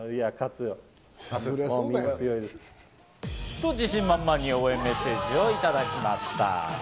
と、自信満々に応援メッセージをいただきました。